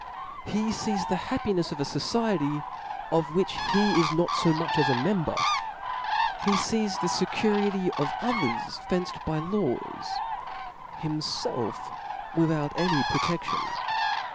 He lees the happinefs of a fociety, of which he is not fo much as a member ; he fees the fecurity of others fenced bylaws, himfelf without any protedion.